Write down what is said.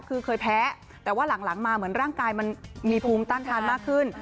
คือเคยแพ้แต่ว่าหลังมาเหมือนร่างกายมันมีภูมิต้านทานมากขึ้น